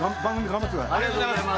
ありがとうございます。